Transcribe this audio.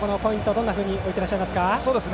どんなふうに置いてらっしゃいますか？